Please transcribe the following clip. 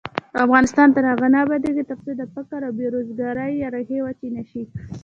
افغانستان تر هغو نه ابادیږي، ترڅو د فقر او بې روزګارۍ ریښې وچې نشي.